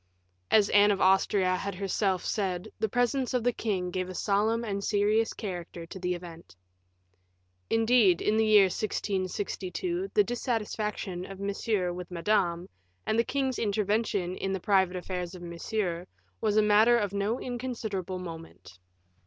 As Anne of Austria had herself said, the presence of the king gave a solemn and serious character to the event. Indeed, in the year 1662, the dissatisfaction of Monsieur with Madame, and the king's intervention in the private affairs of Monsieur, was a matter of no inconsiderable moment.